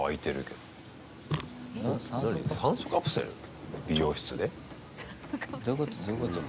どういうこと？